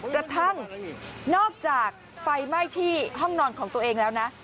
กระทั่งนอกจากไฟไหม้ที่ห้องนอนของตัวเองแล้วนะ